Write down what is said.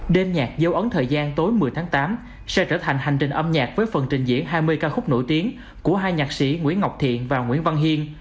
đêm nhạc giấu ấn thời gian tối một mươi tháng tám sẽ trở thành hành trình âm nhạc với phần trình diễn hai mươi ca khúc nổi tiếng của hai nhạc sĩ nguyễn ngọc thiện và nguyễn văn hiên